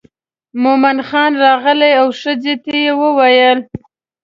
مومن خان راغی او ښځې ته یې وویل.